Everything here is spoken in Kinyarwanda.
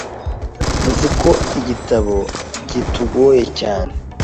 Nzi ko igitabo kitugoye cyane.